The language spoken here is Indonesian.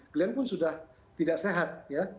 glenn pun sudah tidak sehat